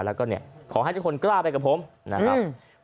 แล้วก็เนี่ยขอให้ทุกคนกล้าไปกับผมนะครับ